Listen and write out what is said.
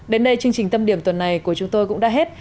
đến đây chương trình tâm điểm tuần này của chúng tôi cũng đã hết